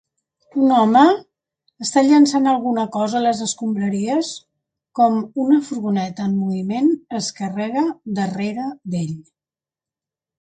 Un home està llançant alguna cosa a les escombraries com una furgoneta en moviment es carrega darrere d'ell